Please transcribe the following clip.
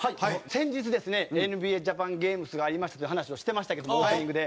先日ですねＮＢＡジャパンゲームズがありましてという話をしてましたけどもオープニングで。